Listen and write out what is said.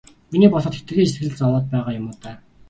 Миний бодоход хэтэрхий сэтгэл зовоод байгаа юм уу даа.